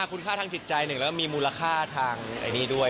คุณค่าทางจิตใจหนึ่งแล้วมีมูลค่าทางอันนี้ด้วย